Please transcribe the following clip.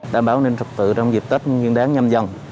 đảm bảo nên thực tự trong dịp tết nguyên đáng nhâm dần